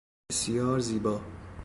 بسیار زیبا